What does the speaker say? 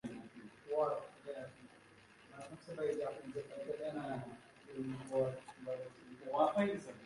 ভারত সরকার তাকে পদ্মশ্রী সম্মান প্রদান করেন।